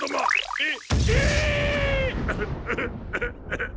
えっ？